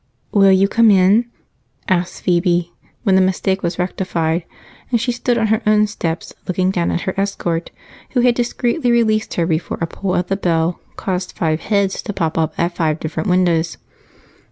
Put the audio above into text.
"Will you come in?" asked Phebe when the mistake was rectified and she stood on her own steps looking down at her escort, who had discreetly released her before a pull at the bell caused five heads to pop up at five different windows.